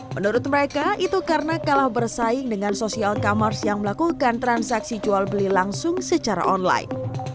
menurut mereka itu karena kalah bersaing dengan sosial commerce yang melakukan transaksi jual beli langsung secara online